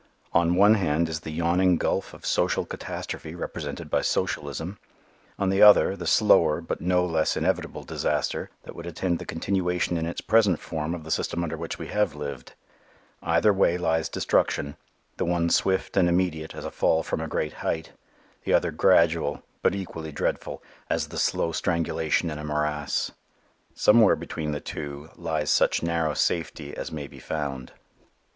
On one hand is the yawning gulf of social catastrophe represented by socialism. On the other, the slower, but no less inevitable disaster that would attend the continuation in its present form of the system under which we have lived. Either way lies destruction; the one swift and immediate as a fall from a great height; the other gradual, but equally dreadful, as the slow strangulation in a morass. Somewhere between the two lies such narrow safety as may be found.